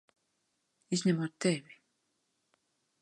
Izņemot tevi!